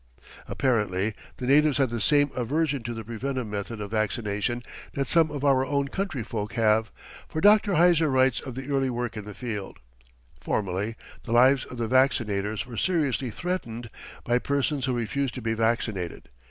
Apparently the natives had the same aversion to the preventive method of vaccination that some of our own countryfolk have, for Dr. Heiser writes of the early work in the field: "Formerly ... the lives of the vaccinators were seriously threatened by persons who refused to be vaccinated.